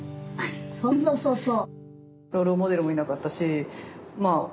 そうそうそうそう。